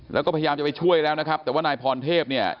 แล้วก็พยายามจะไปช่วยแล้วนะครับแต่ว่านายพรเทพเนี่ย